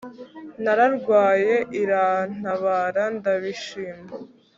nararwaye irantabara, ndabishima